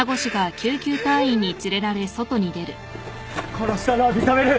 殺したのは認める。